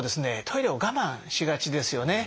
トイレを我慢しがちですよね。